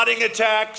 dia telah mencari